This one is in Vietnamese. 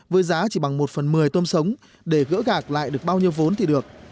với giá chỉ bằng một phần một mươi tôm sống để gỡ gạc lại được bao nhiêu vốn thì được